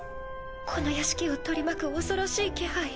この屋敷を取り巻く恐ろしい気配